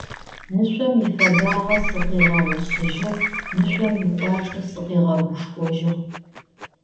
"Нышъом ифэбагъэ сыкъигъэгъушъыжьыгъ, Нышъом ыкӀуачӀэ сыкъигъэгушхожьыгъ."